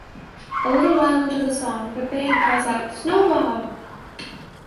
A little while into the song, the band calls out snowball!